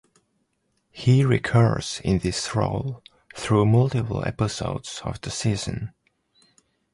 He recurs in this role through multiple episodes of the season.